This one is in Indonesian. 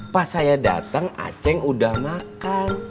pas saya datang aceng udah makan